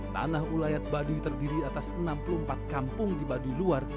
tanah ulayat baduy terdiri atas enam puluh empat kampung di baduy luar